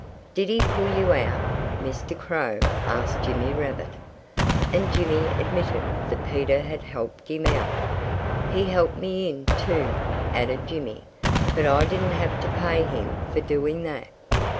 "Did he pull you out?" Mr. Crow asked Jimmy Rabbit. And Jimmy admitted that Peter had helped him out. "He helped me in, too," added Jimmy. "But I didn't have to pay him for doing that."